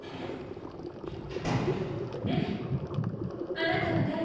あなたは誰？